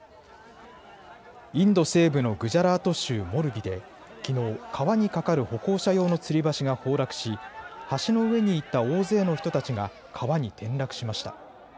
インド西部のグジャラート州モルビできのう川に架かる歩行者用のつり橋が崩落し橋の上にいた大勢の人たちが川に転落しました。